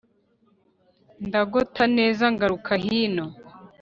Ndagota neza ngaruka hino,